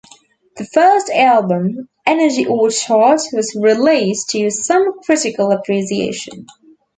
The first album, "Energy Orchard", was released to some critical appreciation.